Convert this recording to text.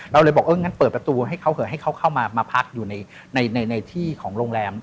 เราเลยบอกเอองั้นเปิดประตูให้เขาเหอะให้เขาเข้ามาพักอยู่ในที่ของโรงแรม